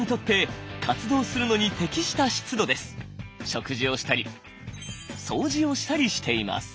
食事をしたり掃除をしたりしています。